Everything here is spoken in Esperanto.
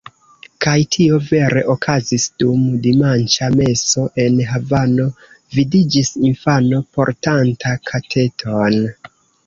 Kaj tio vere okazis: dum dimanĉa meso en Havano vidiĝis infano portanta kateton.